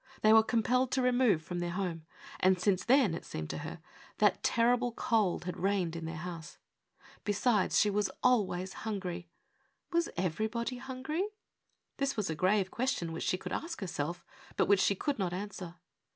They were compelled to remove from their home; and, since then, it seemed to her, that terrible cold had reigned in their house. Besides, she was always hungry. OUT OF WORK. 331 Was everybody hungry? This was a grave question, which she could ask herself, but which she could not answer.